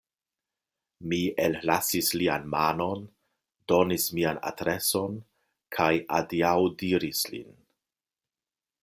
Mi ellasis lian manon, donis mian adreson kaj adiaŭdiris lin.